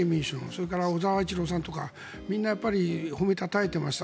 それから小澤一郎さんとかみんな、褒めたたえていました。